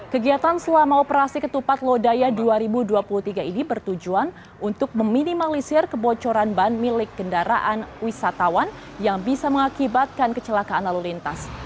kegiatan selama operasi ketupat lodaya dua ribu dua puluh tiga ini bertujuan untuk meminimalisir kebocoran ban milik kendaraan wisatawan yang bisa mengakibatkan kecelakaan lalu lintas